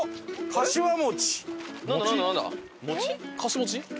かしわ餅。